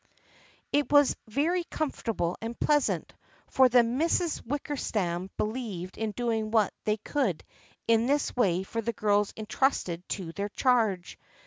THE FRIENDSHIP OF ANNE 39 It was very comfortable and pleasant, for the Misses Wickersham believed in doing what they could in this way for the girls entrusted to their charge.